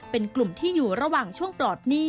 เป็นกลุ่มที่อยู่ระหว่างช่วงปลอดหนี้